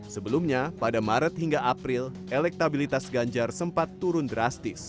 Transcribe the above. sebelumnya pada maret hingga april elektabilitas ganjar sempat turun drastis